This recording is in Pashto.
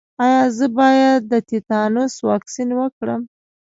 ایا زه باید د تیتانوس واکسین وکړم؟